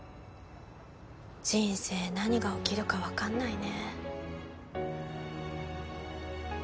人生何が起きるか分かんないね。